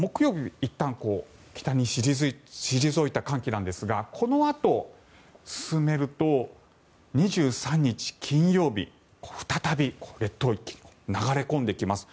いったん北に退いた寒気なんですがこのあと進めると２３日金曜日再び列島に流れ込んできます。